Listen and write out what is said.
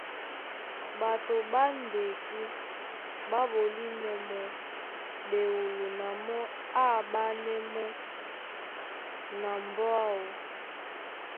Ɓato ɓá ndedí ɓá ɓolínɔ̄ mɔ́ ɓewolo na mɔ́ á aɓánɛ́ mɔ́ na mbɔ́ áō.